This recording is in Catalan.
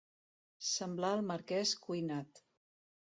Semblar el marquès Cuinat.